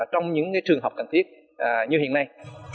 trong những trường hợp cần thiết như hiện nay